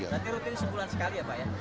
nanti rutin sebulan sekali ya pak